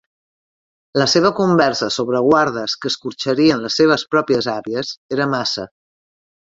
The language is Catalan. La seva conversa sobre guardes que escorxarien les seves pròpies àvies era massa.